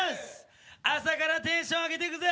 朝からテンション上げてくぜ！